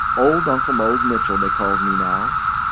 Old Uncle Mose Mitchell, dey calls me now.